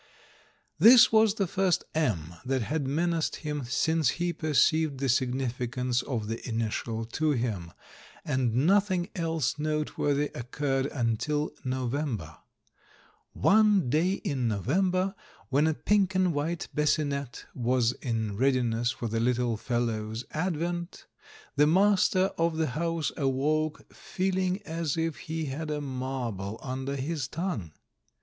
This was the first M that had menaced him since he perceived the significance of the initial to him, and nothing else noteworthy occurred until November. One day in November when a pink and white bassinette was in readiness for the little "fellow's" advent, the master of the house awoke feeling as if he had a marble under his tongue.